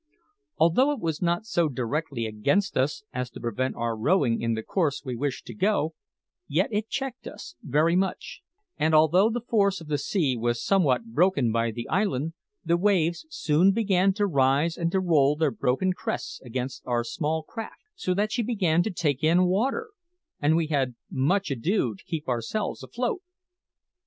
Although it was not so directly against us as to prevent our rowing in the course we wished to go, yet it checked us very much; and although the force of the sea was somewhat broken by the island, the waves soon began to rise and to roll their broken crests against our small craft, so that she began to take in water, and we had much ado to keep ourselves afloat.